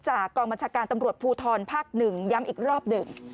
กองบัญชาการตำรวจภูทรภาค๑ย้ำอีกรอบหนึ่ง